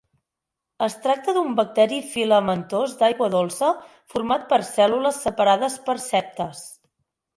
Es tracta d'un bacteri filamentós d'aigua dolça, format per cèl·lules separades per septes.